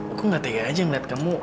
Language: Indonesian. aku gak tega aja ngeliat kamu